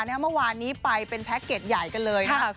เมื่อวานนี้ไปเป็นแพ็คเกจใหญ่กันเลยนะครับ